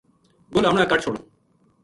گل ہمناں کڈھ چھُڑ